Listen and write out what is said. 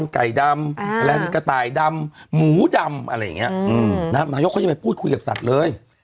กิโดย